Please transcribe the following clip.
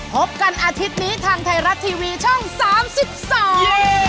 พบกันอาทิตย์นี้ทางไทยรัฐทีวีช่องสามสิบสอง